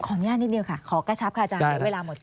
ขออนุญาตนิดนิดหนึ่งค่ะขอกระชับค่ะอาจารย์ให้เวลาหมดก่อน